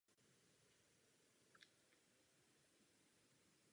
V současné době probíhá diskuse o rozšíření stálého členství v Radě bezpečnosti.